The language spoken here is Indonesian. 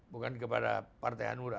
bukan kepada partai hanura